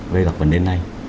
về các vấn đề này